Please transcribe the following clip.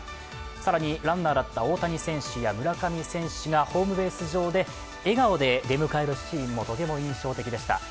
更にランナーだった大谷選手や村上選手がホームベース上で笑顔で出迎えるシーンもとても印象的でした。